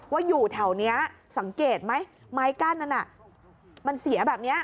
ว่าอยู่แถวนี้สังเกตไหมไม้กั้นนั้นมันเสียแบบนี้